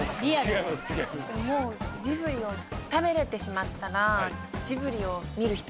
もうジブリを食べれてしまったら。